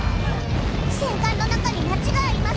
・戦艦の中に町があります。